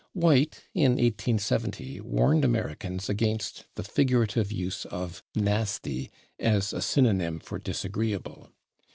White, in 1870, warned Americans against the figurative use of /nasty/ as a synonym for /disagreeable